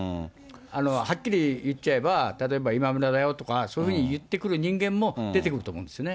はっきり言っちゃえば、例えば今村だよとか、そういうふうに言ってくる人間も出てくると思いますね。